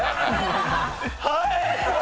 ⁉はい‼